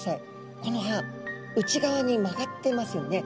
この歯内側に曲がってますよね。